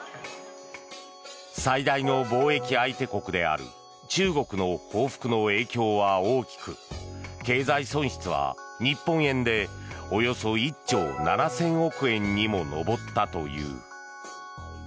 最大の貿易相手国である中国の報復の影響は大きく経済損失は、日本円でおよそ１兆７０００億円にも上ったという。